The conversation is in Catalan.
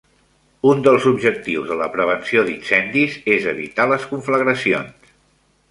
Un dels objectius de la prevenció d"incendis és evitar les conflagracions.